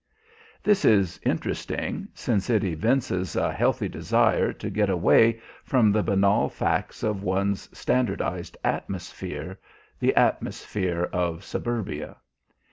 This is interesting, since it evinces a healthy desire to get away from the banal facts of one's standardized atmosphere, the atmosphere of suburbia.